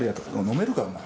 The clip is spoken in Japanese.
飲めるかお前。